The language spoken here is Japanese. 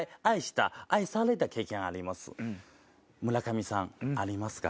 村上さんありますか？